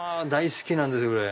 大好きなんですよ。